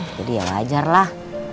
jadi ya wajarlah